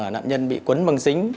nạn nhân bị cuốn băng dính